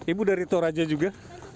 ibu dari toraja juga